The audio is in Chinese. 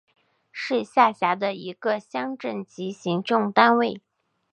是下辖的一个乡镇级行政单位。